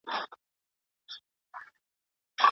په ټوله ورځ مي ایله وګټله وچه ډوډۍ